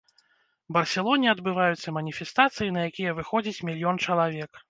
Барселоне адбываюцца маніфестацыі, на якія выходзіць мільён чалавек.